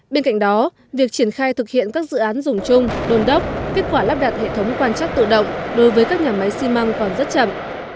bên cạnh đó việc triển khai thực hiện các dự án dùng chung đồn đốc kết quả lắp đặt hệ thống quan chắc tự động đối với các nhà máy xi măng còn rất chậm